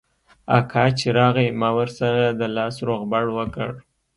اکا چې راغى ما ورسره د لاس روغبړ وکړ.